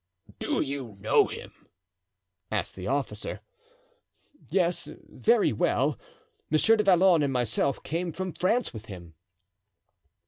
"Do you know him?" asked the officer. "Yes, very well. Monsieur du Vallon and myself came from France with him."